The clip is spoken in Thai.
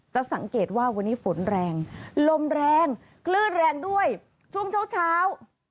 จะสังเกตว่าวันนี้ฝนแรงลมแรงคลื่นแรงด้วยช่วงเช้า